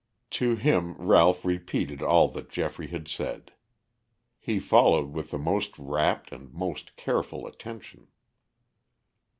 To him Ralph repeated all that Geoffrey had said. He followed with the most rapt and most careful attention.